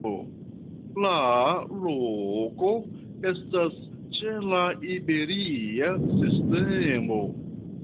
La loko estas ĉe la Iberia Sistemo.